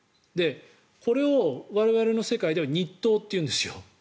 これを我々の世界では日当というんですよ。